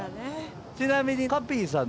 ちなみに。